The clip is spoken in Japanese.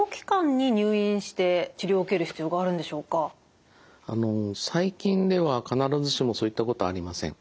ただあの最近では必ずしもそういったことはありません。